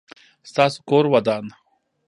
ستاسو کور ودان؟